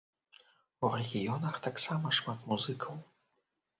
У рэгіёнах таксама шмат музыкаў!